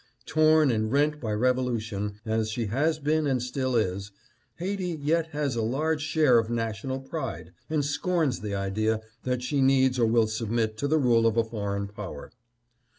Torn and rent by revolution as she has been and still is, Haiti yet has a large share of national pride, and scorns the idea that she needs or will submit to the rule of a foreign power.